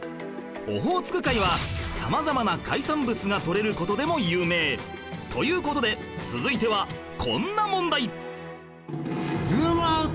オホーツク海は様々な海産物が獲れる事でも有名という事で続いてはこんな問題